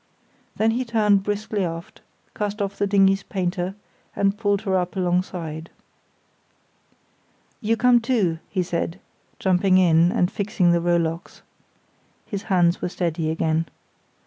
Then he turned briskly aft, cast off the dinghy's painter, and pulled her up alongside. "You come too," he said, jumping in, and fixing the rowlocks. (His hands were steady again.)